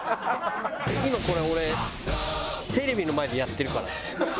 今これ俺テレビの前でやってるからね。